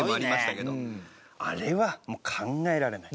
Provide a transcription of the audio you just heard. あれはもう考えられない。